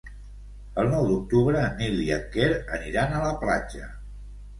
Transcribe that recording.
El nou d'octubre en Nil i en Quer aniran a la platja.